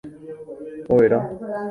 Overa